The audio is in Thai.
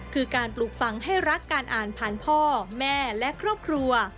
คือการปลูกฝังให้รักการอ่านผ่านพ่อแม่และครอบครัว